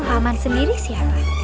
paman sendiri siapa